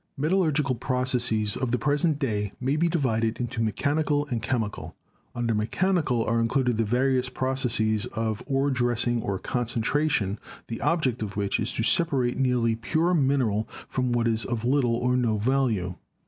Metallurgical processes of the present day may be di vided into mechanical and chemical. Under mechanical are included the various processes of ore dressing or con centration, the object of which is to separate nearly pure mineral from what is of little or no value.